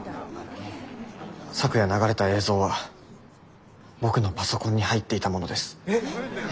昨夜流れた映像は僕のパソコンに入っていたものです。え！？